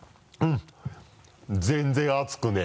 全然熱くねぇ。